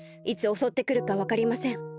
いつおそってくるかわかりません。